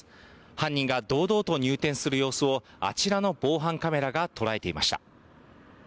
犯人が堂々と入店する様子をあちらの防犯カメラが捉えていました。